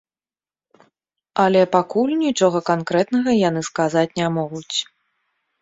Але пакуль нічога канкрэтнага яны сказаць не могуць.